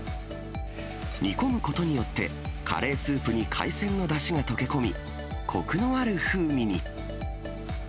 煮込むことによって、カレースープに海鮮のだしが溶け込み、こくのある風味に。